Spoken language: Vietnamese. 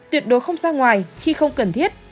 tuyệt đối không ra ngoài khi không cần thiết